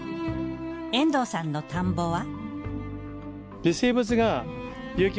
遠藤さんの田んぼは。